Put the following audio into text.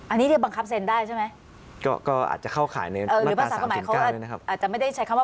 อันนี้เดี๋ยวบังคับเซ็นได้ใช่ไหมก็ก็อาจจะเข้าขายในเออหรือว่าภาษาหมายเขาอาจจะไม่ได้ใช้คำว่าบังคับ